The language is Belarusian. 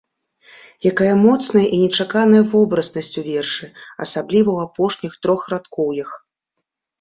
Якая моцная і нечаканая вобразнасць у вершы, асабліва ў апошніх трохрадкоўях!